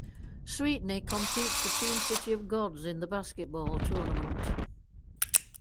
Sweetney competes for Team City of Gods in The Basketball Tournament.